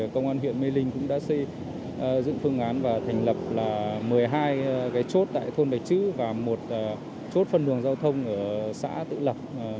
công an huyện mê linh cũng đã xây dựng phương án và thành lập một mươi hai chốt tại thôn bạch chữ và một chốt phân luồng giao thông ở xã tự lập